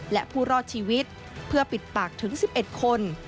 และผู้รอดชีวิตเพื่อปิดปากถึง๑๑คน